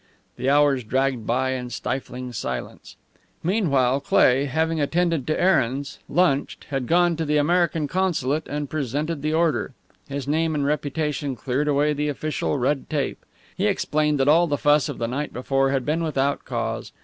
The hours dragged by in stifling silence. Meanwhile, Cleigh, having attended to errands, lunched, had gone to the American consulate and presented the order. His name and reputation cleared away the official red tape. He explained that all the fuss of the night before had been without cause.